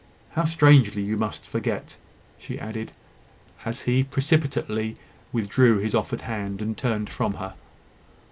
How strangely you must forget!" she added, as he precipitately withdrew his offered hand, and turned from her.